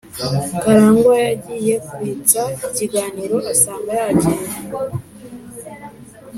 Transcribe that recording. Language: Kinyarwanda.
Karangwa yagiye kwitsa ikiganiro asanga yagiye